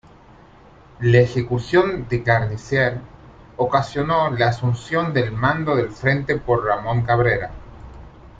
La ejecución de Carnicer ocasionó la asunción del mando del frente por Ramón Cabrera.